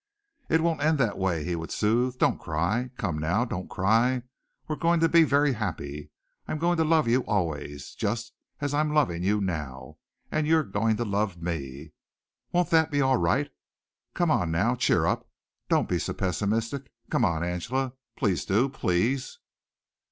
"It won't end that way," he would soothe. "Don't cry. Come now, don't cry. We're going to be very happy. I'm going to love you always, just as I'm loving you now, and you're going to love me. Won't that be all right? Come on, now. Cheer up. Don't be so pessimistic. Come on, Angela. Please do. Please!"